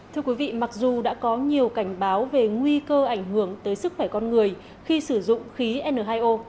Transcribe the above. thưa quý vị mặc dù đã có nhiều cảnh báo về nguy cơ ảnh hưởng tới sức khỏe con người khi sử dụng khí n hai o